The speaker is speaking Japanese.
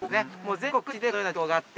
全国各地でこのような状況があって。